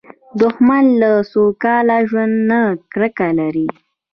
دښمن له سوکاله ژوند نه کرکه لري